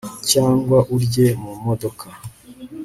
cyangwa urye mu modoka